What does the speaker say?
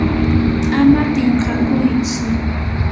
ama pinqakuytsu.